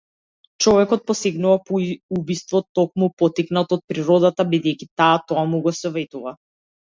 Човекот посегнува по убиство токму поттикнат од природата, бидејќи таа тоа му го советува.